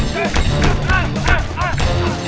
kalian belum lolos